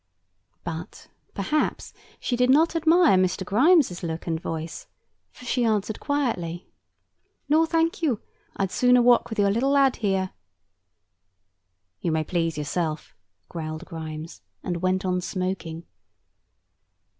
But, perhaps, she did not admire Mr. Grimes' look and voice; for she answered quietly: "No, thank you: I'd sooner walk with your little lad here." "You may please yourself," growled Grimes, and went on smoking.